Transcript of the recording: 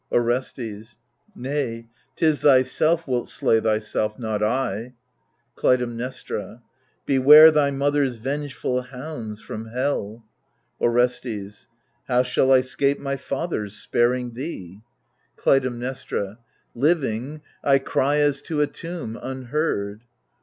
Orestes Nay, 'tis thyself wilt slay thyself, not I. Clytemnestra Beware thy mother's vengeful hounds from helL Orestes How shall I 'scape my father's, sparing thee ? THE LIBATION BEARERS 125 Clytemnestra Living, I cry as to a tomb, unheard.